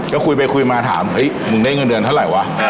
ก็คุยไปคุยมาถามเฮ้ยมึงได้เงินเดือนเท่าไหร่วะ